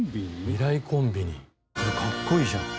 「未来コンビニ」かっこいいじゃん。